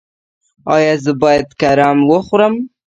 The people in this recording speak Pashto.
ایا زه باید کرم وخورم؟